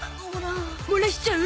漏らしちゃう？